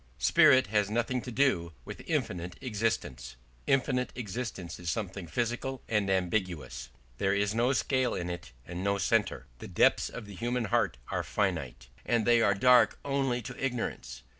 Spirit has nothing to do with infinite existence. Infinite existence is something physical and ambiguous; there is no scale in it and no centre. The depths of the human heart are finite, and they are dark only to ignorance.